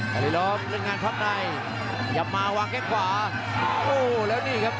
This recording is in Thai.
ภัยรอบเล่นงานข้างในหยับมาวางแค่ขวาโอ้แล้วนี่ครับ